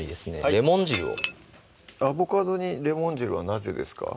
レモン汁をアボカドにレモン汁はなぜですか？